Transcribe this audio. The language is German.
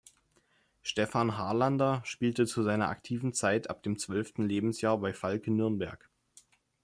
Stephan Harlander spielte zu seiner aktiven Zeit ab dem zwölften Lebensjahr bei Falke Nürnberg.